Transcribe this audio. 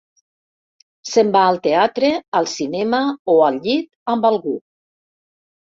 Se'n va al teatre, al cinema o al llit amb algú.